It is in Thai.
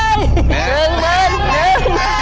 หนึ่งหมื่นหนึ่งหมื่น